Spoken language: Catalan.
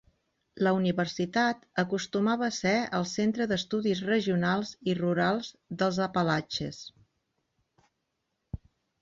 La universitat acostumava a ser el Centre d'Estudis Regionals i Rurals dels Apalatxes.